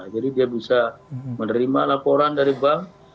jadi dia bisa menerima laporan dari bapak